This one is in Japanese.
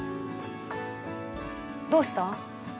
どうした？